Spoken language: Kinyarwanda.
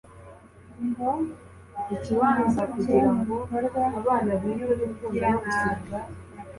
ngo nohoke mu bikorwa by'ubugiranabi